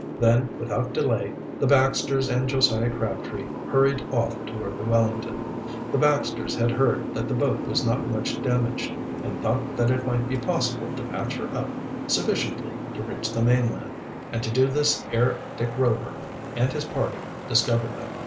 Then, without delay, the Baxters and Josiah Crabtree hurried off toward the Wellington. The Baxters had heard that the boat was not much damaged, and thought that it might be possible to patch her up sufficiently to reach the mainland, and to do this ere Dick Rover and his party discovered them.